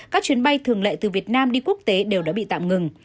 các chuyến bay thường lệ từ việt nam đi quốc tế đều đã bị tạm ngừng